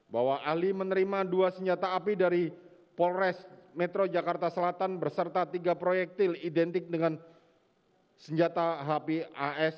bahwa ahli menerima dua senjata api dari polres metro jakarta selatan berserta tiga proyektil identik dengan senjata hp as